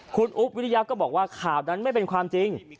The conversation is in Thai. คุณอุ๊บวิริยะก็บอกว่าข่าวนั้นไม่เป็นความจริง